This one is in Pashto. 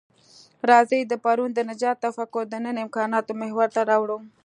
راځئ د پرون د نجات تفکر د نن امکاناتو محور ته راوړوو.